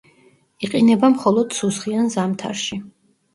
იყინება მხოლოდ სუსხიან ზამთარში.